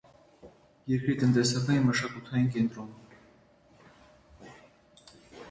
Երկրի տնտեսական և մշակութային կենտրոնն է։